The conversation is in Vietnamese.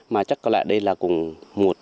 mà chắc có lẽ đây là cùng tình yêu của anh